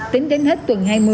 tính đến hết tuần hai mươi